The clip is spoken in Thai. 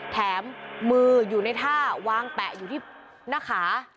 แถมมืออยู่ในท่าวางแปะอยู่ที่หน้าขา